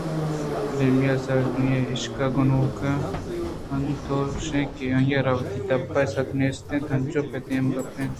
ایمیلیا سارٹونی ءِعشق ءَ گنوک اِنتچوش کہ آئی ءَ را وتی دپ ءِ سُد نیست اَت ءُانچوش پہ دیم گپے کشّ اِت اَنت